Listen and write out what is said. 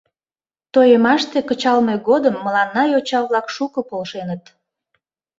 Тойымаште кычалме годым мыланна йоча-влак шуко полшеныт.